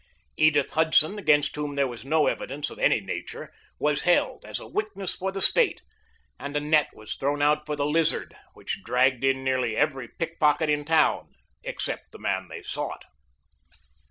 Edith Hudson, against whom there was no evidence of any nature, was held as a witness for the State, and a net was thrown out for the Lizard which dragged in nearly every pickpocket in town except the man they sought.